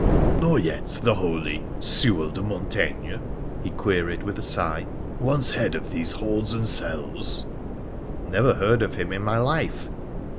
' Nor yet the holy Sewall de Monteign ?' he queried with a sigh —' once head of these halls and cells.' ' Never heard of him in my life.'